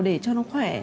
để cho nó khỏe